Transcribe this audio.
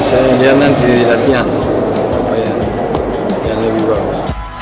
misalnya dia nanti lihatnya lebih bagus